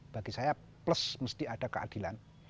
bagi saya plus mesti ada keadilan